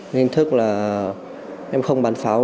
nghiên thức là em không bán pháo